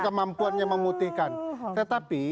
kemampuannya memutihkan tetapi